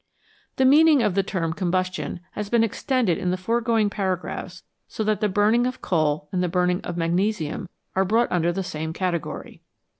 The meaning of the term "combustion 11 has been ex tended in the foregoing paragraphs so that the burning of coal and the burning of magnesium are brought under the same category.